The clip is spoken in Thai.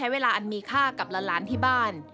เวลาอันมีค่ากับหลานที่บ้าน